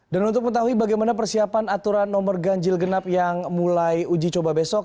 dan untuk mengetahui bagaimana persiapan aturan nomor ganjil genap yang mulai uji coba besok